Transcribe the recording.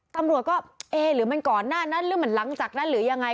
ตำรวจก็เอ๊ะหรือมันก่อนหน้านั้นหรือมันหลังจากนั้นหรือยังไง